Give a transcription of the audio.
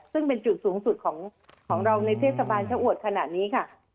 ซึ่งเป็นจุดสูงสุดของเราในเทศบาลชะอวดขนาดนี้ค่ะ